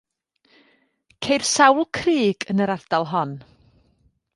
Ceir sawl crug yn yr ardal hon.